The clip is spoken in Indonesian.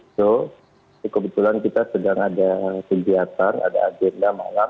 jadi kebetulan kita sedang ada kegiatan ada agenda malam